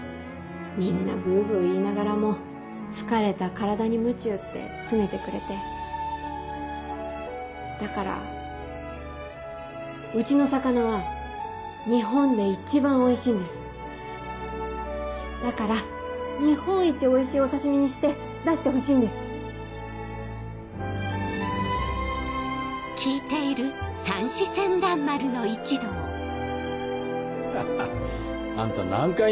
みんなブブ言いながらも疲れた体に鞭打って詰めてくれてだからうちの魚は日本で一番おいしいんですだから日本一おいしいお刺し身にして出してほしいんですハハっあんた何回